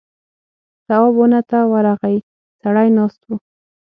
تواب ونه ته ورغی سړی ناست و.